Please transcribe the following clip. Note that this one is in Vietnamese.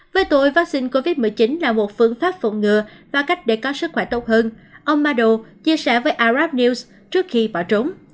về tội vaccine covid một mươi chín là một phương pháp phụng ngừa và cách để có sức khỏe tốt hơn ông madhu chia sẻ với arab news trước khi bỏ trốn